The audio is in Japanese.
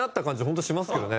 本当しますけどね。